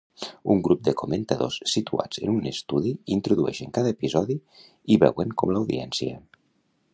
Un grup de comentadors situats en un estudi introdueixen cada episodi i veuen com l'audiència.